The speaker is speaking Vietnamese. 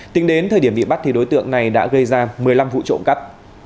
tính đến thời điểm bị bắt thì đối tượng này đã gây ra một mươi năm vụ trộm cắt